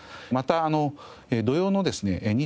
また土曜のですね